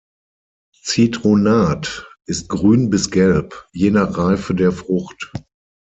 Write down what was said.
Zitronat ist grün bis gelb, je nach Reife der Frucht.